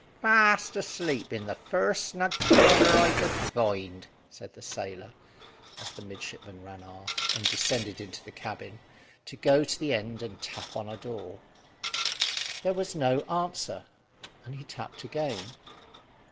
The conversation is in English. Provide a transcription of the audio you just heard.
"Fast asleep in the first snug corner I could find," said the sailor, as the midshipman ran aft, and descended into the cabin, to go to the end and tap on a door. There was no answer, and he tapped again.